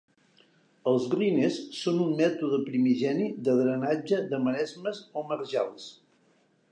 Els "rhynes" són un mètode primigeni de drenatge de maresmes o marjals.